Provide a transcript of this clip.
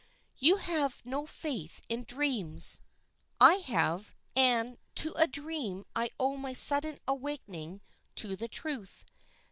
"You have no faith in dreams; I have; and to a dream I owe my sudden awakening to the truth.